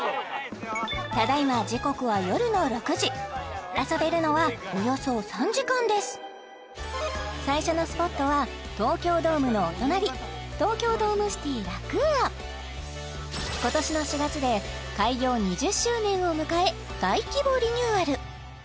ただいま時刻は夜の６時遊べるのはおよそ３時間です最初のスポットは東京ドームのお隣東京ドームシティラクーア今年の４月で開業２０周年を迎え大規模リニューアル